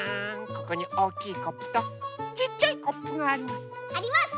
ここにおおきいコップとちっちゃいコップがあります。